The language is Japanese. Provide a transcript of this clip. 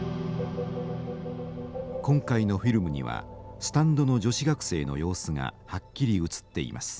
今回のフィルムにはスタンドの女子学生の様子がはっきり写っています。